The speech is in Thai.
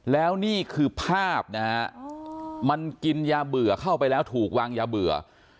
แล้วนี่คือภาพนะฮะมันกินยาเบื่อเข้าไปแล้วถูกวางยาเบื่อ